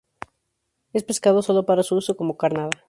Es pescado solo para su uso como carnada.